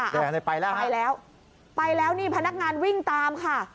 นี่เลยไปแล้วไปแล้วนี่พนักงานวิ่งตามค่ะ